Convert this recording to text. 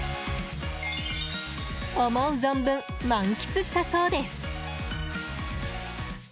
思う存分、満喫したそうです。